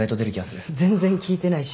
全然聞いてないし。